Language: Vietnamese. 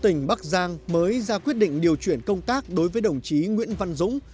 tỉnh bắc giang mới ra quyết định điều chuyển công tác đối với đồng chí nguyễn văn dũng